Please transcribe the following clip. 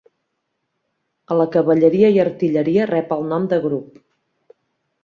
A la cavalleria i artilleria rep el nom de grup.